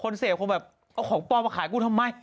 เสพคงแบบเอาของปลอมมาขายกูทำไม